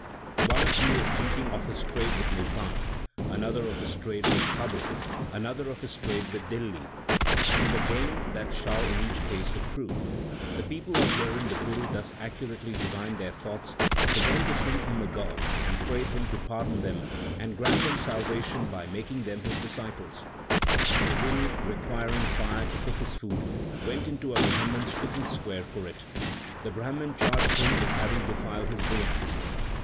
One of you is thinking of his trade with Multan, another of his trade with Kabul, another of his trade with Dihli, and the gain that shall in each case accrue/ The people, on hearing the Guru thus accurately divine their thoughts, began to think him a god, and prayed him to pardon them and grant them salvation by making them his disciples. The Guru, requiring fire to cook his food, went into a Brahman s cooking square for it. The Brahman charged him with having defiled his viands.